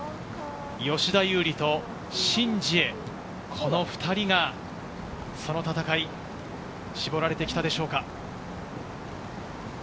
吉田優利とシン・ジエ、この２人がその戦い、しぼられてきたでしょうか。